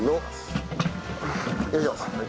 よいしょ。